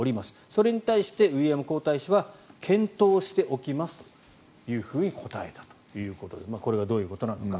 それに対してウィリアム皇太子は検討しておきますと答えたということでこれがどういうことなのか。